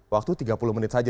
waktu tiga puluh menit saja